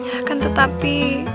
ya kan tetapi